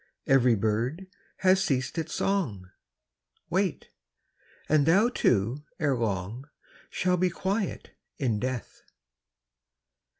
Every bird has ceased its song, Wait ; and thou too, ere long, Shall be quiet in death.